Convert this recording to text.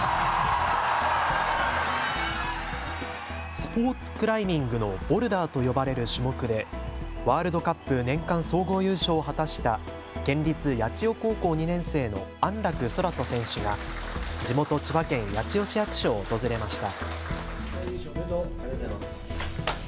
スポーツクライミングのボルダーと呼ばれる種目でワールドカップ年間総合優勝を果たした県立八千代高校２年生の安楽宙斗選手が地元、千葉県八千代市役所を訪れました。